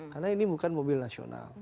karena ini bukan mobil nasional